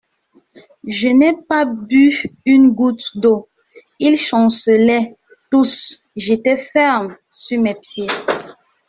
Je n'ai pas bu une goutte d'eau ; ils chancelaient tous, j'étais ferme sur mes pieds.